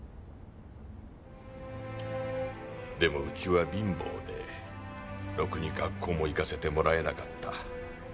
でもうちは貧乏でろくに学校も行かせてもらえなかった。